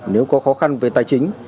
nếu có khó khăn về tài chính